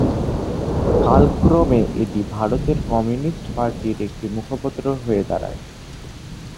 কালক্রমে এটি ভারতের কমিউনিস্ট পার্টির একটি মুখপত্র হয়ে দাঁড়ায়।